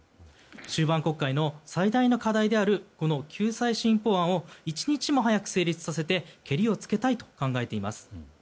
終盤国会の最大の課題である救済新法案を一日も早く成立させてけりをつけたいと考えています。